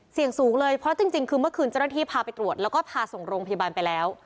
เสี่ยงสูงเลยเพราะจริงคือเมื่อคืนเจ้าหน้าที่พาไปตรวจแล้วก็พาส่งโรงพยาบาลไปแล้ว